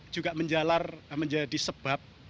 juga menjalar menjadi sebab